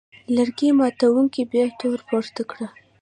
لرګي ماتوونکي بیا توره پورته کړه.